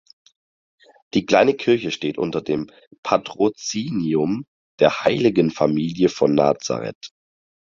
Die kleine Kirche steht unter dem Patrozinium der Heiligen Familie von Nazaret.